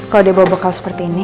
kalau dia bawa bekal seperti ini